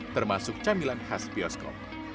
termasuk camilan khas bioskop